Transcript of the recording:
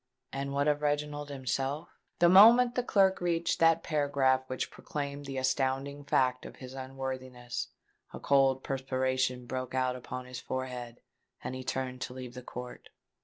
And what of Reginald himself? The moment the clerk reached that paragraph which proclaimed the astounding fact of his unworthiness, a cold perspiration broke out upon his forehead; and he turned to leave the court.